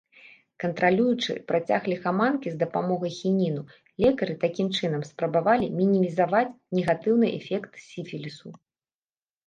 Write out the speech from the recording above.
Кантралюючы працяг ліхаманкі з дапамогай хініну, лекары такім чынам спрабавалі мінімізаваць негатыўныя эфекты сіфілісу.